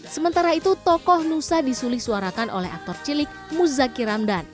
sementara itu tokoh nusa disulih suarakan oleh aktor cilik muzaki ramdan